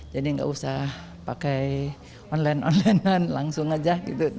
jadi gak usah pakai online online langsung aja